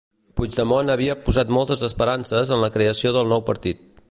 Puigdemont havia posat moltes esperances en la creació del nou partit.